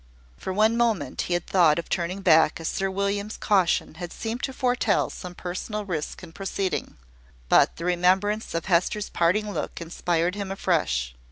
For one moment he had thought of turning back, as Sir William's caution had seemed to foretell some personal risk in proceeding; but the remembrance of Hester's parting look inspired him afresh.